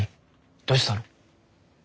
どうしたの？